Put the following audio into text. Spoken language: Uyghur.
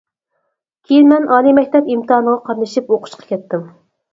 كىيىن مەن ئالىي مەكتەپ ئىمتىھانىغا قاتنىشىپ ئوقۇشقا كەتتىم.